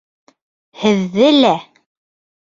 — Һеҙҙе лә!